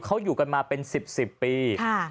เขาอยู่กันมาเป็น๑๐ปี